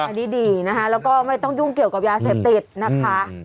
อันนี้ดีนะคะแล้วก็ไม่ต้องยุ่งเกี่ยวกับยาเสพติดนะคะ